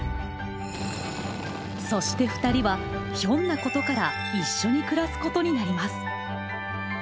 そしてふたりはひょんなことから一緒に暮らすことになります！